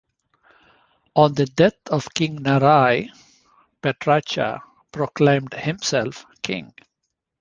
On the death of King Narai, Phetracha proclaimed himself king.